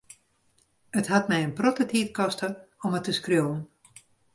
It hat my in protte tiid koste om it te skriuwen.